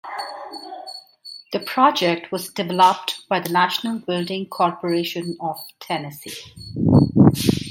The project was developed by the National Building Corporation of Tennessee.